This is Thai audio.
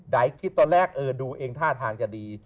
ดั๋ยคิดตอนแรกดูเองท่าทางจะดี